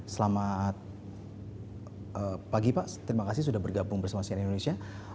selamat pagi pak terima kasih sudah bergabung bersama sian indonesia